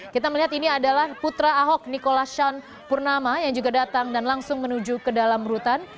kita melihat ini adalah putra ahok nikola shan purnama yang juga datang dan langsung menuju ke dalam rutan